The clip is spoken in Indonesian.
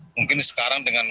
mungkin sekarang dengan